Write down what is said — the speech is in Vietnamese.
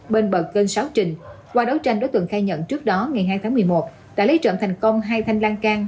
bên bờ kênh sáu trình qua đấu tranh đối tượng khai nhận trước đó ngày hai tháng một mươi một đã lấy trộm thành công hai thanh lan can